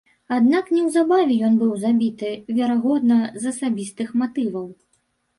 Аднак неўзабаве ён быў забіты, верагодна, з асабістых матываў.